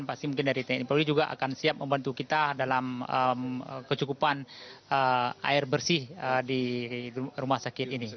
pasti mungkin dari tni polri juga akan siap membantu kita dalam kecukupan air bersih di rumah sakit ini